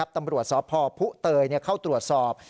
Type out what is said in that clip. ตำรวจสพพุเตยเข้าตรวจสอบ